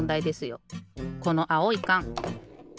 このあおいかん。